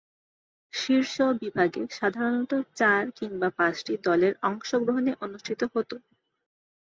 শীর্ষ বিভাগে সাধারণতঃ চার কিংবা পাঁচটি দলের অংশগ্রহণে অনুষ্ঠিত হতো।